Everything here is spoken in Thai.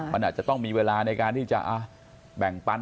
มันอาจจะต้องมีเวลาในการที่จะแบ่งปัน